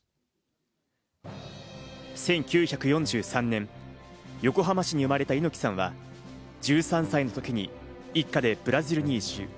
１９４３年、横浜市に生まれた猪木さんは１３歳のときに一家でブラジルに移住。